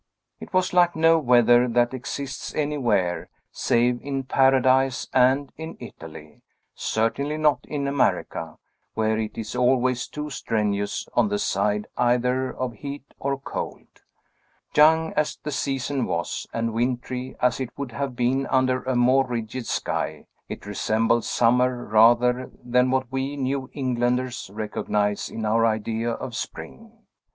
It was like no weather that exists anywhere, save in Paradise and in Italy; certainly not in America, where it is always too strenuous on the side either of heat or cold. Young as the season was, and wintry, as it would have been under a more rigid sky, it resembled summer rather than what we New Englanders recognize in our idea of spring.